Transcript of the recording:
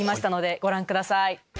ご覧ください。